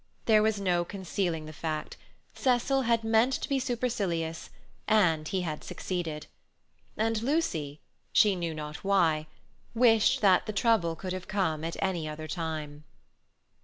There was no concealing the fact, Cecil had meant to be supercilious, and he had succeeded. And Lucy—she knew not why—wished that the trouble could have come at any other time.